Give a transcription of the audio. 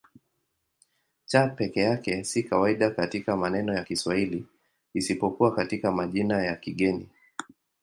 C peke yake si kawaida katika maneno ya Kiswahili isipokuwa katika majina ya kigeni.